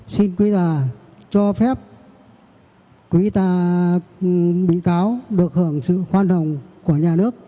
xin quý tà cho phép quý tà bị cáo được hưởng sự khoan hồng của nhà nước